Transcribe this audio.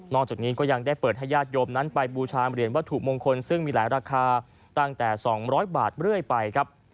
จากนี้ก็ยังได้เปิดให้ญาติโยมนั้นไปบูชาเหรียญวัตถุมงคลซึ่งมีหลายราคาตั้งแต่๒๐๐บาทเรื่อยไปครับ